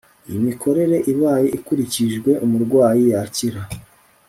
Iyi mikorere ibaye ikurikijwe umurwayi yakira